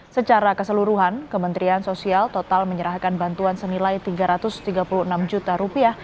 secara keseluruhan kementerian sosial total menyerahkan bantuan senilai tiga ratus tiga puluh enam juta rupiah